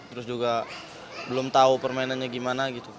terus juga belum tahu permainannya gimana gitu